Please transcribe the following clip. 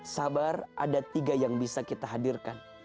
sabar ada tiga yang bisa kita hadirkan